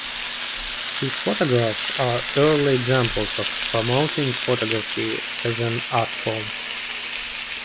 His photographs are early examples of promoting photography as an art form.